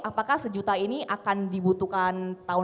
apakah satu juta ini akan dibutuhkan